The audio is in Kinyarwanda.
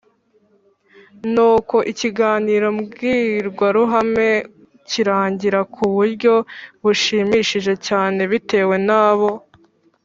nuko ikiganiro mbwirwaruhame kirangira ku buryo bushimishije cyane bitewe n'abo